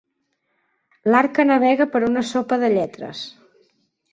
L'Arca navega per una sopa de lletres.